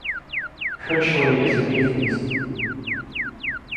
Critchley is an atheist.